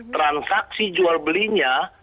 transaksi jual belinya